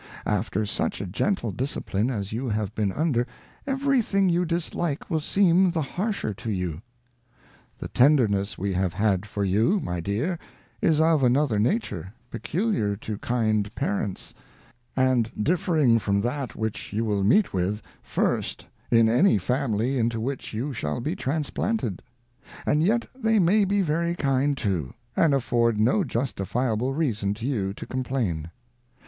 After such a gentle Discipline as you have been under, every thing you dislike will seem the harsher to you. The tenderness we have had for you, My Dear, is of another nature, peculiar to kind Parents, and differ ing from that which you will meet with first in any Family into which you shall be transplanted ; and yet they may be very kind too, and afford no justifiable reason to you to complain.